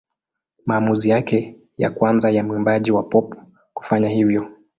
Maamuzi yake ya kwanza ya mwimbaji wa pop kufanya hivyo.